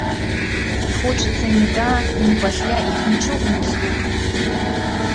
І хочацца ні да, ні пасля іх нічога не слухаць.